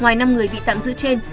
ngoài năm người bị tạm giữ trên